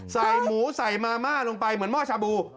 ใส่หมูใส่มาม่าลงไปเหมือนหม้อชาบู